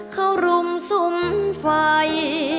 เขารุมซุ่มไฟ